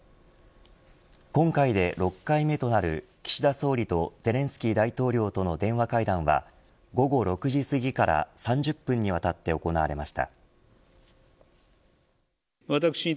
今回で６回目となる岸田総理とゼレンスキー大統領との電話会談は午後６時すぎから３０分にわたって行われました。